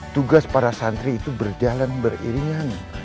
tugas para santri itu berjalan beriringan